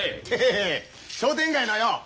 ヘヘヘッ商店街のよ